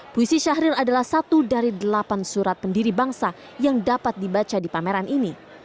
puisi syahril adalah satu dari delapan surat pendiri bangsa yang dapat dibaca di pameran ini